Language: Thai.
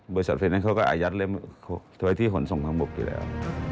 บริษัทเฟรนเนสเขาก็อายัดถ่วยที่หนสงทางบุกอยู่แล้ว